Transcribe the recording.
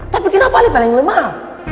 tapi kenapa alih paling lemah